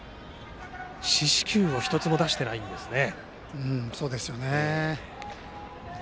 四死球を１つも出してないんですね。